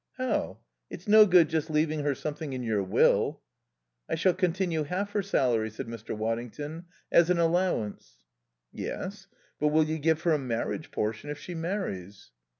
"How? It's no good just leaving her something in your will." "I shall continue half her salary," said Mr. Waddington, "as an allowance." "Yes. But will you give her a marriage portion if she marries?"